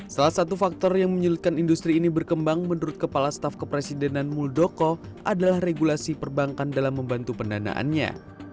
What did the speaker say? salah satu faktor yang menyulitkan industri ini berkembang menurut kepala staf kepresidenan muldoko adalah regulasi perbankan dalam membantu pendanaannya